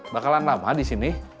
bakalan lama disini